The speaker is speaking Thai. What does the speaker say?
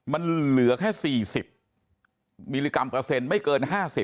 มันเหลือแค่๔๐มิลลิกรัมเปอร์เซ็นต์ไม่เกิน๕๐